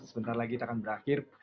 sebentar lagi akan berakhir